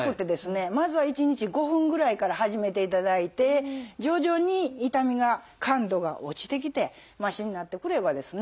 まずは１日５分ぐらいから始めていただいて徐々に痛みが感度が落ちてきてましになってくればですね